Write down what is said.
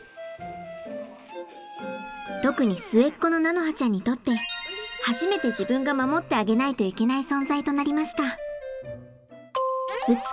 特に末っ子の菜花ちゃんにとって初めて自分が守ってあげないといけない存在となりました